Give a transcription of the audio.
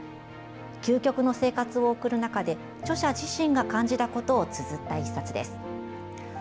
究極の生活を送る中で著者自身が感じたことをつづった１冊です。